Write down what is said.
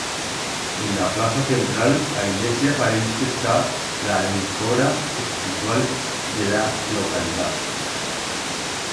En a plaza central, a ilesia pareixe estar l'ancora espiritual de ra localidat.